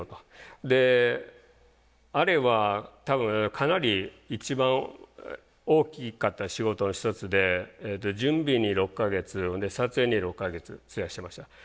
であれは多分かなり一番大きかった仕事の一つで準備に６か月撮影に６か月費やしました。